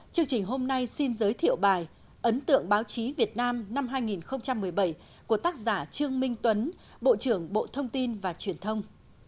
chương trình hôm nay xin giới thiệu bài ấn tượng báo chí việt nam năm hai nghìn một mươi bảy của tác giả trương minh tuấn bộ trưởng bộ thông tin và truyền thông